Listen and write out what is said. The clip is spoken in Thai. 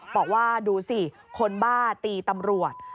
บอกว่าดูสิคนบ้าตีตำรวจ